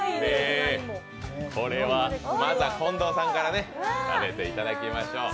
まずは近藤さんから食べていただきましょう。